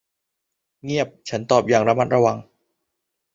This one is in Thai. เงียบ ฉันตอบกลับอย่างระมัดระวัง